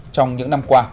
trong những năm qua